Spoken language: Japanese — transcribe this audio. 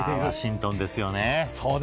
ワシントンですよね。